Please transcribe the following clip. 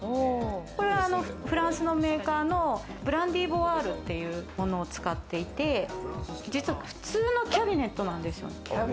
これはフランスのメーカーのブランディボワールっていうのを使っていて、実は普通のキャビネットなんですよ。